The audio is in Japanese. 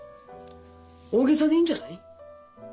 大げさでいいんじゃない？えっ？